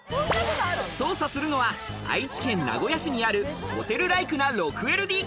捜査するのは愛知県名古屋市にあるホテルライクな６ＬＤＫ。